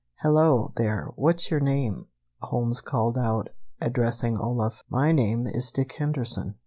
"Hello, there, What's your name," Holmes called out, addressing Olaf. "My name is Dick Henderson.